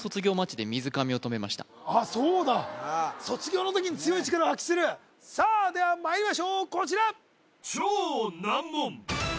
昔あっそうだ卒業の時に強い力を発揮するさあではまいりましょうこちら！